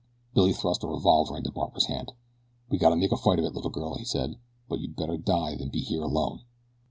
Billy thrust a revolver into Barbara's hand. "We gotta make a fight of it, little girl," he said. "But you'd better die than be here alone."